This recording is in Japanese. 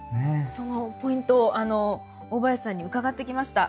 そのポイント大林さんに伺ってきました。